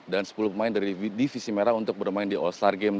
dan sepuluh pemain dari divisi merah untuk bermain di all star game